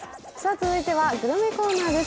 続いては、グルメコーナーです。